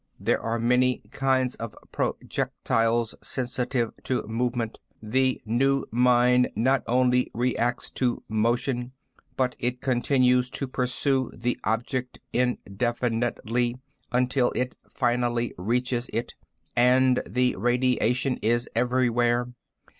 There are many kinds of projectiles sensitive to movement. The new mine not only reacts to motion, but continues to pursue the object indefinitely, until it finally reaches it. And the radiation is everywhere."